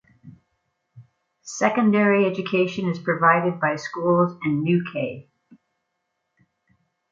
Secondary education is provided by schools in Newquay.